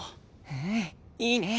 んいいね！